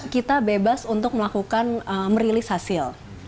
kita bebas untuk melakukan merilis hasil